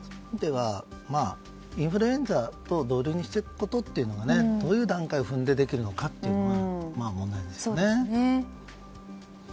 インフルエンザと同類にしていくということがどういう段階を踏んでできるのかというのが問題ですよね。